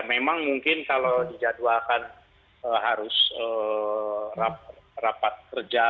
memang mungkin kalau dijadwalkan harus rapat kerja